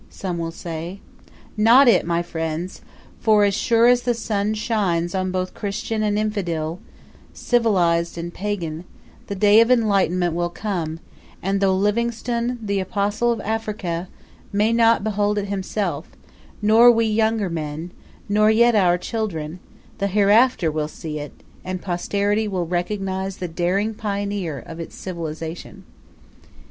some will say. Not it, my friends; for as sure as the sun shines on both Christian and Infidel, civilised and Pagan, the day of enlightenment will come; and, though Livingstone, the Apostle of Africa, may not behold it himself, nor we younger men, not yet our children, the Hereafter will see it, and posterity will recognise the daring pioneer of its civilization.